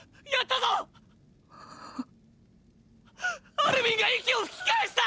アルミンが息を吹き返した！！